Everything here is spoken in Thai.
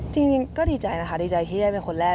จริงก็ดีใจนะคะดีใจที่ได้เป็นคนแรก